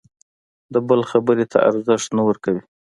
د بل خبرې ته ارزښت نه ورکوي.